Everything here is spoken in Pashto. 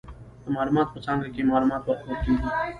د معلوماتو په څانګه کې، معلومات ورکول کیږي.